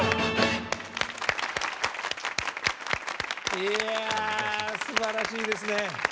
いやすばらしいですね。